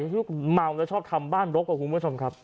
ลูกเมาแล้วชอบทำบ้านรกครับคุณผู้ชมครับ